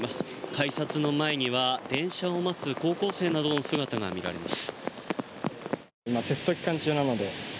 改札の前には電車を待つ高校生などの姿が見られます。